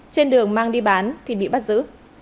trên đường mang đi bán thì bị bắt giữ